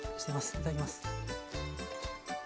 いただきます。